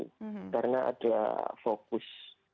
karena ada fokus